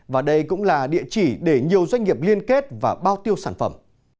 và đây cũng là địa chỉ để nhiều doanh nghiệp liên kết và bao tiêu sản phẩm